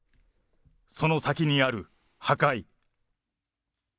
その先にある破壊。